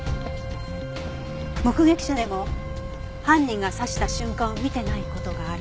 目撃者でも犯人が刺した瞬間を見てない事がある。